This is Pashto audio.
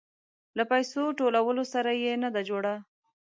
له پيسو ټولولو سره يې نه ده جوړه.